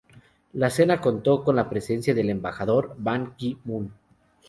La cena contó con la presencia del embajador Ban Ki-moon